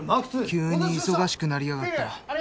急に忙しくなりやがった。